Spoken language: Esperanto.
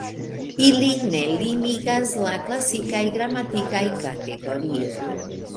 Ilin ne limigis la klasikaj gramatikaj kategorioj.